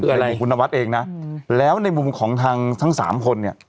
คืออะไรของคุณนวัดเองนะแล้วในมุมของทางทั้งสามคนเนี่ย